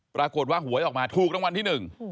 ปรากฏว่าหวยออกมาถูกรางวัลที่หนึ่ง